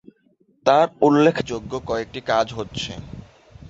তার উল্লেখযোগ্য কয়েকটি কাজ হচ্ছে,